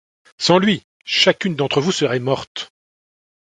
Sans lui, chacune d’entre vous serait morte.